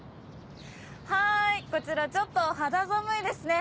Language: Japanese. はいこちらちょっと肌寒いですね。